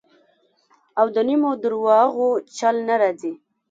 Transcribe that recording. او د نیمو درواغو چل نه راځي.